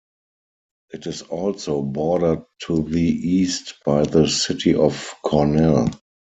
It is also bordered to the east by the city of Cornell.